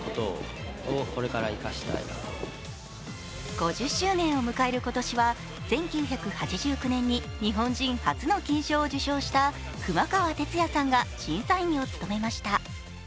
５０周年を迎える今年は１９８９年に日本人初の金賞を受賞した熊川哲也さんが審査員を務めました。